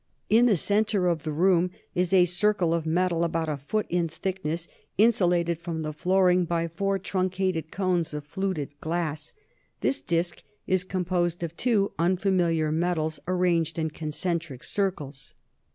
In the center of the room is a circle of metal, about a foot in thickness, insulated from the flooring by four truncated cones of fluted glass. This disc is composed of two unfamiliar metals, arranged in concentric circles.